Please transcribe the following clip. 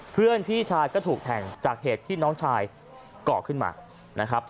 พี่ชายก็ถูกแทงจากเหตุที่น้องชายก่อขึ้นมานะครับ